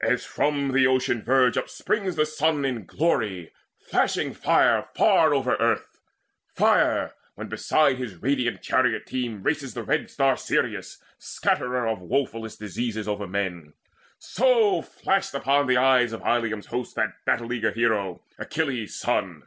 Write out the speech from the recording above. As from the ocean verge upsprings the sun In glory, flashing fire far over earth Fire, when beside his radiant chariot team Races the red star Sirius, scatterer Of woefullest diseases over men; So flashed upon the eyes of Ilium's host That battle eager hero, Achilles' son.